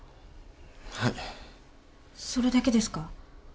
はいそれだけですか？